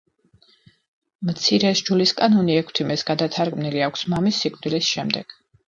მცირე სჯულისკანონი ექვთიმეს გადათარგმნილი აქვს მამის სიკვდილის შემდეგ.